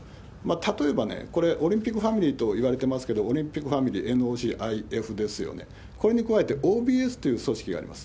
例えばこれ、オリンピックファミリーと言われてますけれども、オリンピックファミリー、ＮＯＣＩＦです、これに加えて、ＯＢＳという組織があります。